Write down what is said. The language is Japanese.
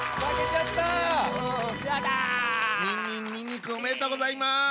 にんにんにんにくおめでとうございます！